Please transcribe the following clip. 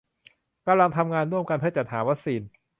กำลังทำงานร่วมกันเพื่อจัดหาวัคซีน